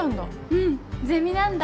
うんゼミなんだ。